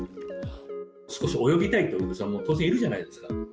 少し泳ぎたいってお客さんも当然いるじゃないですか。